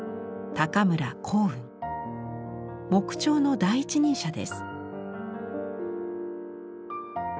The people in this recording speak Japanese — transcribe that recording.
木彫の第一人者です。